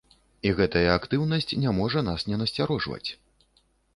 І гэтая актыўнасць не можа нас не насцярожваць.